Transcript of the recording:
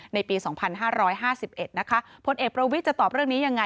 ในปี๒๕๕๑นะคะพลเอกประวิทย์จะตอบเรื่องนี้ยังไง